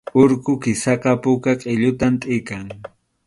Urqu kisaqa puka qʼilluta tʼikan